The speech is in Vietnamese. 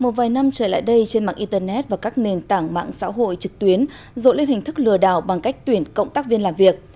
một vài năm trở lại đây trên mạng internet và các nền tảng mạng xã hội trực tuyến rộn lên hình thức lừa đảo bằng cách tuyển cộng tác viên làm việc